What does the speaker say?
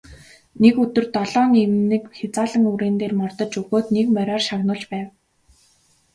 Нэг өдөр долоон эмнэг хязаалан үрээн дээр мордож өгөөд нэг мориор шагнуулж байв.